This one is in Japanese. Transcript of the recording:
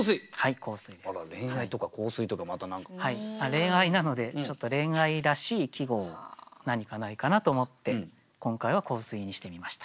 「恋愛」なのでちょっと恋愛らしい季語を何かないかなと思って今回は「香水」にしてみました。